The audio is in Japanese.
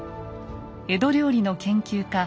江戸料理の研究家